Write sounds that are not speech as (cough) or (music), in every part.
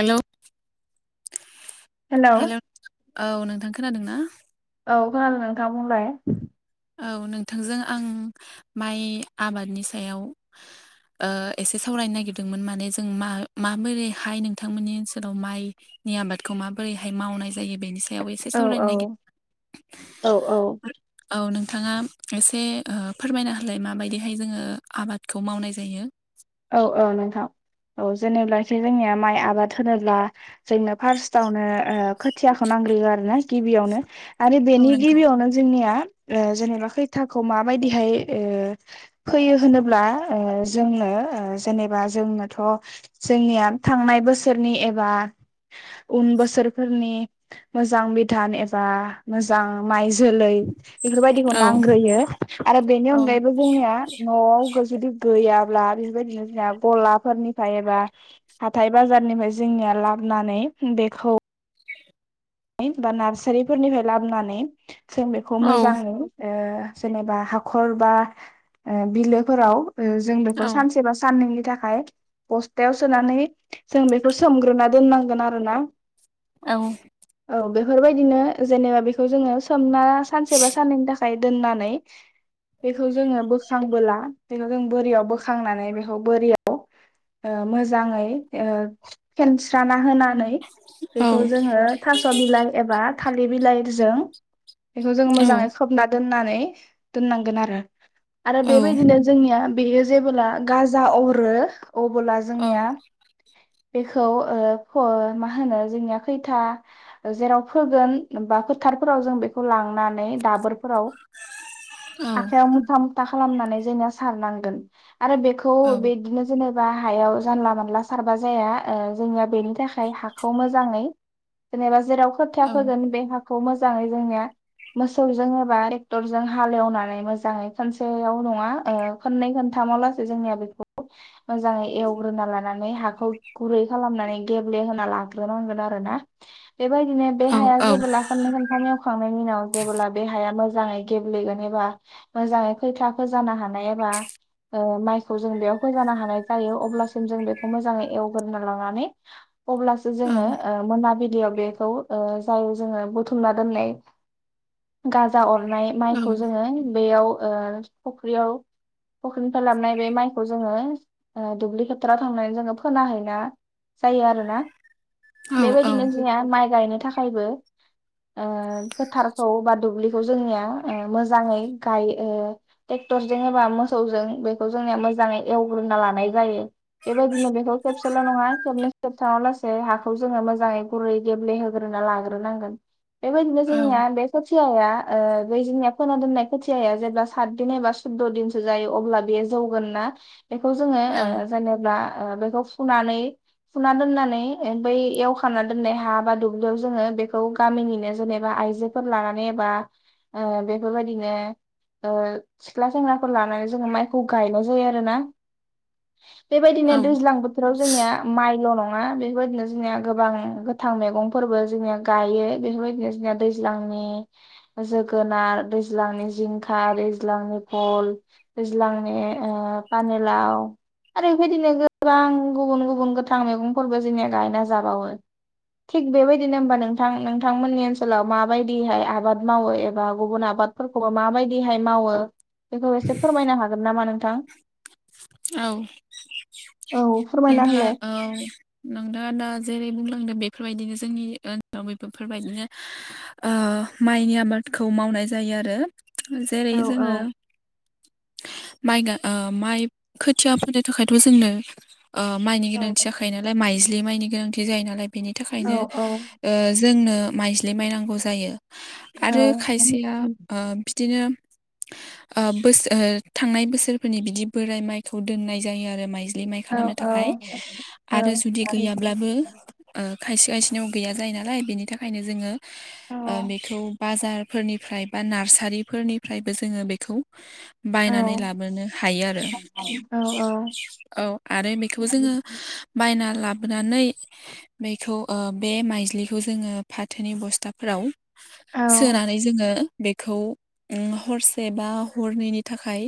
हेल' hello hello औ नोंथां खोनादों ना? (unintelligible) नोंथां बुंलाय? औ नोंथांजों आं माइ आबादनि सायाव ओ एसे सावरायनो नागिरदोंमोन माने जों मा माबोरैहाय नोंथांमोननि ओनसोलाव माइ नि आबादखौ माबोरै हाय मावनाय जायो बेनि सा सायाव एसे औ सावरायनो औ नागिद औ औ औ नोंथाङा एसे ओ फोरमायना होलाय माबायदि हाय जोङो आबादखौ मावनाय जायो। औ औ नोंथां। औ जेनेब्ला एसे जोंनिया माइ आबाद होनोब्ला जोंनो फार्स्टआवनो ओ खोथियाखौ नां गौ आरोना गिबियावनो आरो औ बेनि नंगौ गिबियावनो जोंनिया ओ जेनेबा खैथाखौ माबायदि हाय ओ फोयो होनोब्ला ओ जोंनो ओ जेनेबा जोंनोथ', जोंनिया थांनाय बोसोरनि एबा उन बोसोरफोरनि मोजां बिधान एबा मोजां माइ जोलै बेफोरबायदिखौ औ नांग्रोयो आरो बेनि औ अनगायैबो जोंनिया न'आव जुदि गैया बेनो गलाफोरनिफ्राय एबा हाथाय बाजारनिफ्राय जोंनिया लाबोनानै ख' (inaudible) बा नार्सारिफोरनिफ्राय लाबोनानै जों बेखौ औ मोजाङै ओ जेनेबा हाखर बा ओ बिलोफोराव ओ जों औ बेखौ सानसे बा साननैनि थाखाय बस्थायाव सोनानै जों बेखौ सोमग्रोना दोननांगोन आरोना औ औ बेफोरबायदिनो जेनेबा बेखौ जोङो सोमना सानसे बा साननैनि थाखाय दोननानै बेखौ जोङो बोखांबोला बेखौ जों बोरियाव बोखांनानै बेखौ बोरियाव मोजाङै ओ फेनस्राना ना होनानै औ बेखौ जोंङो थास'बिलाइ एबा थालि बिलाइजों बेखौ जोङो मोजाङै खोबना दोननानै दोननांगोन आरो आरो औ बेबायदिनो जोंनिया बेयो जेबोब्ला गाजा अरो अबोला औ जोंनिया बेखौ ओ फो मा होनो जोंनिया खैथा जेराव फोगोन बा फोथारफोराव जों बेखौ लांनानै दाबोर फोराव आखाइयाव मुथा मुथा खालामनानै जोंनिया सारनांगोन। आरो बेखौ औ बेदिनो जेनेब बा हायाव जानला मानला सारबा जाया ओ जोंनिया बेनि थाखाय हाखौ मोजाङै जेनेबा जेराव खोथिया फोगोन बे हाखौ मोजाङै जोंनिया मोसौजों एबा टेक्टरजों हालेवनानै मोजाङै खनसेयाव नङा ओ खननै खननै थामावलासै जोंनिया बेफोरखौ मोजाङै एवग्रोना लानानै हाखौ गुरै खालामनानैे गेब दे होना लाग्रोनांगोन आरोना बेबायदिनो बे औ हाया औ जेबोब्ला खननै खोनथाम एवखांनायनि उनाव जेबोला बे हाया मोजां फ्राय गेब्लेगोन एबा मोजाङै खैथाखो जानो हानाय एबा ओ माइखौ जों बेयाव फोजानो हानाय जायो अब्लासिम जों बेखौ मोजाङै एवग्रोना लानानै अब्लासो जोङो ओ मोनमा याव बेखौ ओ जाय जोङो बुथुमना दोननाय गाजा अर नाय औ माइखौ जोङो बेयाव फुख्रियाव फख्रिनिफ्राय लाबोनाय बे माइखौ जोङो दुब्लि फोथाराव थांनानै जोङो फोना हैना जायो आरोना औ औ बेबायदिनो जोंनिया माइ गायनो थाखायबो फोथारखौ बा दुब्लिखौ जोंनिया मोजाङै गायो टर जेनेबा मोसौजों बेखौ जोंनिया मोजाङै एवग्रोना लानाय जायो। बेबायदिनो बेखौ खेबसेल' नङा खेबनै खेबथामाव लासै हाखौ जोङो मोजाङै गुरै गेब्ले होग्रोना लाग्रोनांगोन बेबायदिनो जोंनिया औ बेफो खोथियाया ओ दैजोनिया फोना दोननाय खोथियाया जेब्ला सात दिन एबा सुद'दिनसो जायो अब्ला बेयो जौगोन ना बेखौ जोङो औ ओ जेनेब्ला ओ बेखौ फुनानै फुना दोननानै बै एवखानानै दोन्नाय हा बा दुब्लियाव जोङो बेखौ गामिनिनो जेनेबा आइजोफोर लानानै बा ओ बेफोर बायदिनो ओ सिख्ला सेंग्राफोर लानानै जोङो माइखौ गायनाय जायो आरोना बेबायदिनो औ दैज्लां बोथोराव जोंनिया माइल' नङा बेफोरबायदिनो जोंनिया गोबां गोथां मैगंफोरबो जोंनिया गायो, बेफोरबायदिनो जोंनिया दैज्लांनि जोगोनार, दैज्लांनि जिंखा दैज्लांनि भल दैज्लांनि ओ पानेलाव आरो बेबायदिनो गोबां गुबुन गुबुन गोथां मैगंफोरबो जोंनिया गायना जाबावो (inaudible) थिग बेबायदिनो होमबा नोंथां नोंथांमोननि ओनसोलाव माबायदिहाय आबाद मावो एबा गुबुन आबादफोर खौबा माबायदिहाय मावो बेखौ एसे फोरमायनो हागोन नामा नोंथां औ औ फोरमायना नोंथाङा होलाय। औ नोंथाङा दा जेरै बुंलांदो बे बेफोरबायदिनो जोंनि (unintelligible) बेफोरबायदिनो ओ माइनि आबादखौ मावनाय जायो आरो जेरै औ औ जोङो माइगा ओ माइ खोथिया फोनो थाखायथ' जोंनो माइनि औ गोनांथि जाखायो नालाय माइज्लि माइनि गोनांथि बिदि जायो नालाय बेनि औ थाखायनो औ ओ जोंनो माइज्लि माइ नांगौ जायो औ आरो औ खायसेया दिनो ओ बोस ओ थांनाय बोसोरफोरनि बिदि बोराइ माइ खौ दोननाय जायो आरो माइ ज्लि माइ औ खालामनो थाखाय औ आरो औ जुदि गैयाब्लाबो ओ खायसे खायसेनाव गैया जायो नालाय बेनि थाखायनो जोङो बेखौ बाजार फोरनिफ्राय बा नारसारिफोरनिफ्रायबो जोंङो बेखौ बायनानै लाबोनो हायो आरो औ आरो बेखौ जोङो बायना लाबोनानै बेखौ ओ बे माइज्लिखौ जोङो फाथोनि बस्थाफोराव सोनानै जोङो बेखौ उम हरसे बा हरनैनि थाखाय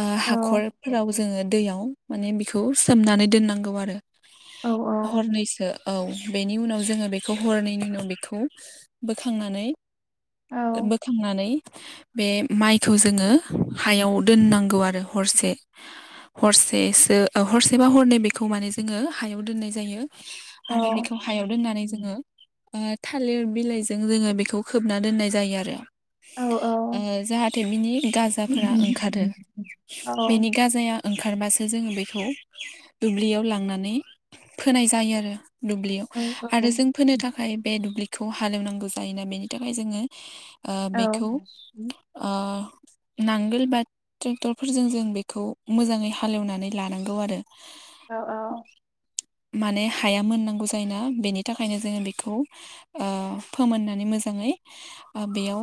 ओ हाखर फोराव जोङो दैयाव माने बिखौ सोमनानै दोननांगौ आरो हरनैसो औ बेनि उनाव जोङो बेखौ हरनैनि उनाव बेखौ बोखांनानै औ बोखांनानै बे माइखौ जोङो हायाव दोननांगौ आरो हरसे हरसेसो हरसेबा हरनै बेखौ माने जोङो हायाव दोननाय जायो। आरो बेखौ हायाव दोननानै जोङो आ थालिर बिलाइजों जोङो बेखौ खोबना दोननाय जायो आरो ओ जाहाद टेमिनि गाजाफोरा ओंखारो बेनि गाजाया ओंखारबासो जोङो बेखौ दुब्लियाव लांनानै फोनाय जायो आरो। दुब्लियाव आरो जों फोनो थाखाय बे दुब्लिखौ हालेवनांगौ जायोना बेनि थाखाय जोङो ओ बेखौ ओ नांगोल बा ट्रेक्टरफोरजों जों बेखौ मोजाङै हालेवनानै लानांगौ आरो। औ औ। माने हाया मोननांगौ जायोना बेनि थाखायनो जोङो बेखौ आ फोमोननानै मोजां ङै अ बेयाव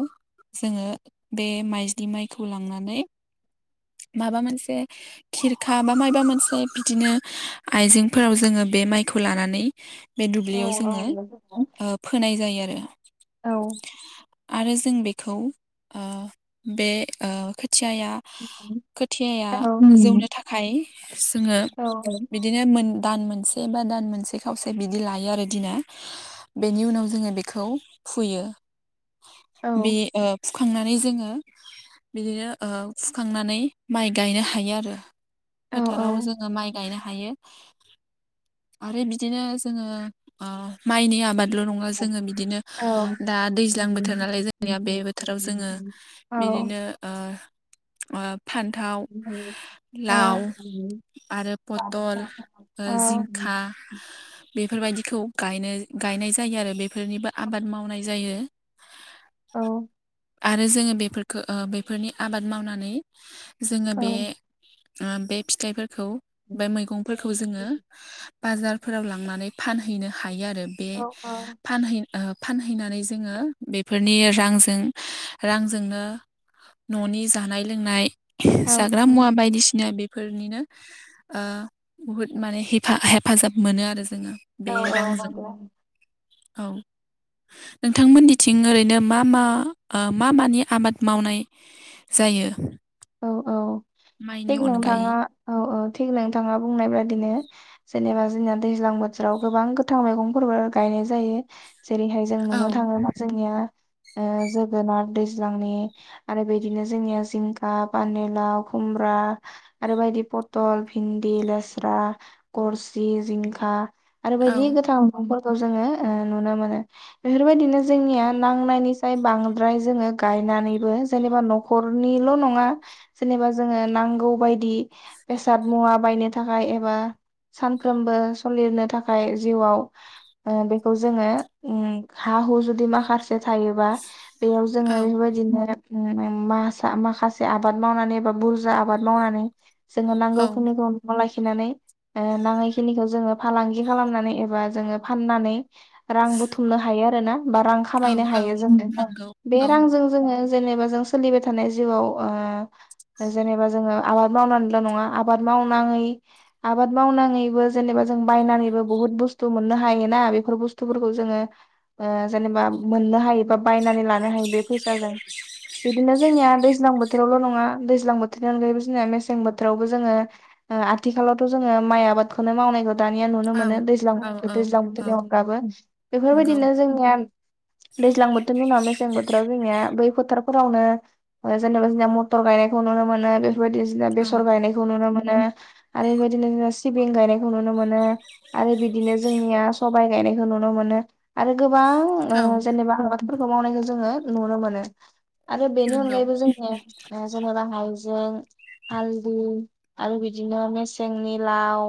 जोङो बे माइज्लि माइखौ लांनानै माबा मोनसे खिरखा बा माबा मोनसे बिदिनो आइजेंफोराव जोङो बे माइखौ लानानै बे दुब्लियाव जोङो ओ फोनाय जायो आरो आरो जों बेखौ ओ बे ओ खोथियाया खोथियाया जौनो थाखाय जोङो बिदिनो मोन दान मोनसे बा दान मोनसे खावसे बिदि लायो आरो दिना बेनि उनाव जोङो बेखौ फुयो बे फुखांनानै जोङो बिदिनो ओ फुखांनानै माइ गायनो हायो आरो फोथाराव जोङो माइ गायनो हायो। आरो बिदिनो जोङो माइनि आबादल' नङा जोङो बिदिनो औ दा औ दैज्लां बोथोर नालाय जोंनिया बे बोथोराव जोङो औ बिदिनो आ आब फान्थाव लाव आरो पटल ओ जिंखा बेफोरबायदिखौ गायनो गायनाय जायो आरो बेफोरनिबो आबाद मावनाय जायो। औ आरो जोङो बेफोरखौ बेफोरनि आबाद मावनानै जोङो बे आ बे फिथाइफोरखौ बे मैगंफोरखौ जोङो बाजारफोराव लांनानै फानहैनो हायो आरो बे फानहै ओ फानहैनानै जोङो बेफोरनि रांजों रांजोंनो न'नि जानाय लोंनाय जाग्रा मुवा बायदिसिना बेफोरनिनो बुहुद माने हिपा-हेफाजाब मोनो आरो जोङो बे रांजों औ नोंथांमोननिथिं ओरैनो मा मा आ मा मानि आबाद मावनाय जायो। औ औ माइनि थिग अनगायै नोंथाङा औ औ थिग नोंथाङा बुंनाय बायदिनो जेनेबा जोंना दैज्लां बोथोराव गोबां गोथां मैगंफोरबो गायनो जायो जेरैहाय जों औ नुनो थाङो जोंनिया ओ जोगोनाद दैज्लांनि आरो बेदिनो जोंनिया जिंख आ पानेलाव खुम्ब्रा आरो बायदि पटल भिन्दि लेस्रा क गरसि जिंखा आरो औ बायदि गोथां मैगंफोर जोङो ओ नुनो मोनो बेफोरबायदिनो जोंनिया नांनायनिसाय बांद्राय जोङो गाय नानैबो जेनोबा नखरनिल' नं ङा जेनेबा जोङो नांगौ बायदि बेसाद मुवा बायनो थाखाय एबा सानफ्रोमबो सलिनो थाखाय जिउआव ओ बेखौ जोङो उम हा हु जुदि माखासे बे थायोबा बेयाव औ जोङो बेबायदिनो माइ मासा माखा से आबाद मावनानै एबा बुरजा आबाद मावनानै जोंनो औ नांगौखिनिखौ न'आव लाखि खिनानै ओ नाङै खिनिखौ जोङो फालांगि खालामनानै एबा जोङो फाननानै रां बुथुमनो हायो आरोना बा रां औ खामायनो औ हायो जोङो। ओं नंगौ बे औ रांजों जोङो जेनेबा जों सोलिबाय थानाय जिउआव वाआ जेनेबा जोङो आबाद मावनानैल' नङा आबाद मावनांयै आबाद माव नानैबो जों बायनानैबो बहुथ बुस्थु मोननो हायो ना बेफोर बस्थुफोरखौ जोङो ओ ओ बा जेनेबा मोननो हायो बा बायनानै लानो हायो बे फैसाजों। बिदिनो जोंनिया दैज्लां बोथ बोथोरावल' नङा दैज्लां बोथोरनि अनगायैबो जोङो मेसें बोथोरावबो जोङो ओ आथिखालावथ' जोङो माइ आबाद आबादखौनो मावनायखौ दानिया नुनो औ मोनो दैज्लां औ औ दैज्लां औ बोथोरनि अनगाबो नंगौ बेफोरबायदिनो जोंनिया दैज्लां बोथोरनि उनाव मेसें बोथोराव जोंनिया बै फोथाराव फोरावनो जेनेबा जोंनिया मटर गायनायखौ नुनो मोनो, बेफोरबायदि जोंना औ बेसर गायनायखौ नुनो मोनो आरो बेबायदिनो सिबिं गायनायखौ नुनो मोनो, आरो बिदिनो जोंनिया सबाय गायनाय बेखौ नुनो मोनो आरो गोबां औ ओ जेनेबा आबादफोरखौ मावनायखौ जोङो नुनो मोनो। आरो बेनि नंगौ अनगायैबो जोङो ओ जेनेबा हायजें हालदु आरो बिदिनो मेसेंनि लाव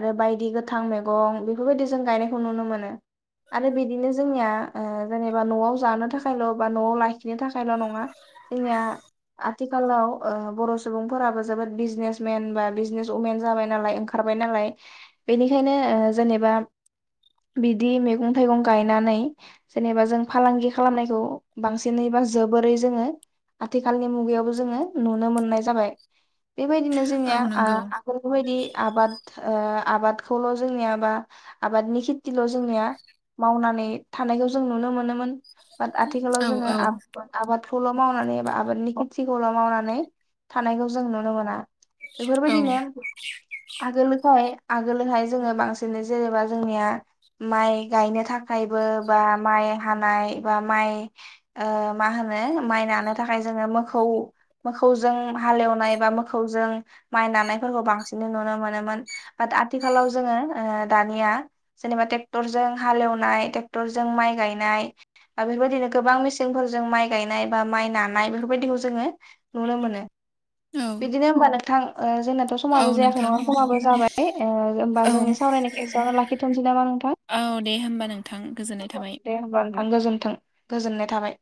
आरो बायदि गोथां मैगं बेफोरबायदि जों गायनायखौ नुनो मोनो। आरो बिदिनो जोंनिया ओ जेनेबा न'आव जानो थाखायल' बा न'आव लाखिनो थाखायल' नङा जोंनिया आथिखालाव ओ बर' सुबुंफोराबो जोबोद बिजनेसमेन बा बिजनेसअमेन जाबाय नालाय ओंखारबाय नालाय नालाय बेनिखायनो जेनेबा बिदि मेगं थाइगं गायनानै जेनेबा जों फालांगि खालामनायखौ बांसिनै बा जोबोरै जोङो आथिखालनि मुगायावबो जोङो नुनो मोननाय जाबाय। बेबायदिनो औ जोंनिया आ नंगौ आगोलनि बायदि आबाद ओ आबादखौल' जोंनिया बा आबादनि खेथिल' जोंनिया मावनानै थानायखौ जों नुनो मोनोमोन। बाट औ आथिखालाव जोङो औ आब-आबादखौल' मावनानै बा आबादनि खेथिखौल' जों मावनानै थानायखौ जों नुनो मोना। औ बेफोरबायदिनो आगोलखाय आगोलहाय जोङो बांसिन जेनेबा जोंनिया माइ गायनो थाखायबो बा माइ हानाय बा माय ओ मा होनो माय नानो थाखाय जोङो मोखौ मोखौजों हालेवनाय बा मोखौजों माइ नानायफोरखौ बांसिन नुनो मोनोमोन बाट आथिखालाव जोङो ओ दानिया जेनेबा ट्रेक्ट्रजों हालेवनाय नाय टेक्टरजों माइ गायनाय आरो बेबायदिनो गोबां मेसिंफोरजों माइ गायनाय बा माइ नान नाय बेफोरबायदिखौ जोङो नुनो मोनो। बिदिनो होमबा नोंथां ओ जोंनाथ' औ समाबो जायाखै नोंथां नङा समाबो जाबाय ओ होमबा औ जोंनि सावरायनायखो एसेयावनो लाखिथ'नोसै नामा नोंथां? औ दे होमबा नोंथां गोजोननाय थाबाय। दे होमबा नोंथां गोजोन्थों गोजोननाय थाबाय।